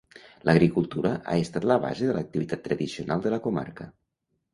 L'agricultura ha estat la base de l'activitat tradicional de la comarca.